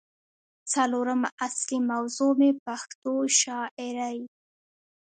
څلورمه اصلي موضوع مې پښتو شاعرۍ